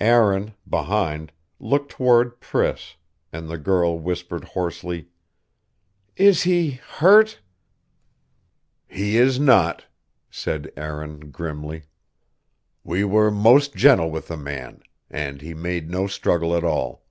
Aaron, behind, looked toward Priss; and the girl whispered hoarsely: "Is he hurt?" "He is not," said Aaron grimly. "We were most gentle with the man; and he made no struggle at all...."